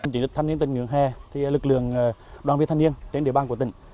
chính trị tham niên tỉnh nguyện hè lực lượng đoàn viên thanh niên trên địa bàn của tỉnh